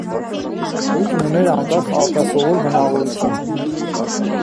Վուդն ուներ անկախ, արտասովոր բնավորություն։